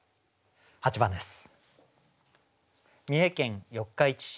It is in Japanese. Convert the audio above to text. ８番です。